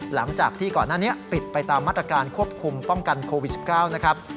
หลังจากที่ก่อนหน้านี้ปิดไปตามมาตรการควบคุมป้องกันโควิด๑๙นะครับ